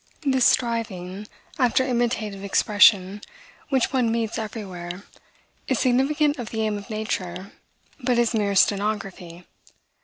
This striving after imitative expression, which one meets everywhere, is significant of the aim of nature, but is mere stenography.